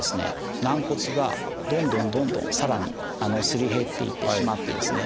軟骨がどんどんどんどんさらにすり減っていってしまってですね